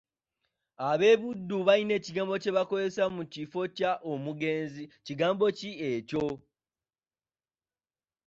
"Ab'e Buddu balina ekigambo kye bakozesa mu kifo kya “omugenzi”, kigambo ki ekyo?"